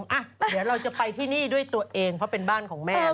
อ่ะเดี๋ยวเราจะไปที่นี่ด้วยตัวเองเพราะเป็นบ้านของแม่